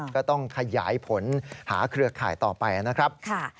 ก็ต้องขยายผลหาเครือข่ายต่อไปนะครับ